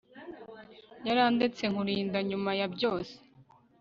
yarandetse nkurinda nyuma ya byose